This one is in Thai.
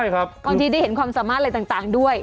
บางทีได้เห็นความสามารถอะไรต่างด้วย